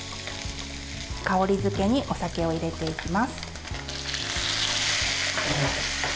香りづけにお酒を入れていきます。